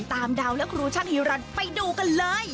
ตามดาวและครูช่างฮีรันไปดูกันเลย